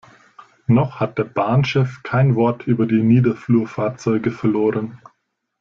Noch hat der Bahnchef kein Wort über die Niederflurfahrzeuge verloren.